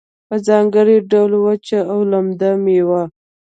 په ځانګړي ډول وچه او لمده میوه